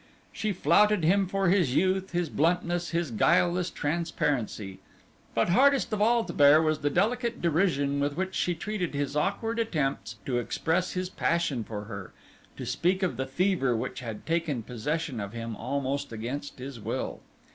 She flouted him for his youth, his bluntness, his guileless transparency. But hardest of all to bear was the delicate derision with which she treated his awkward attempts to express his passion for her, to speak of the fever which had taken possession of him, almost against his will.